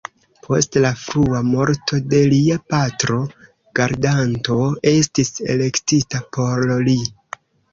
Post la frua morto de lia patro, gardanto estis elektita por li.